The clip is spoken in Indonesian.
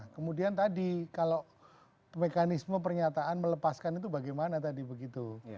kemudian tadi kalau mekanisme pernyataan melepaskan itu bagaimana tadi begitu